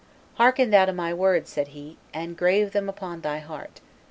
"Hearken thou to my words," said he, "and grave them upon thy heart.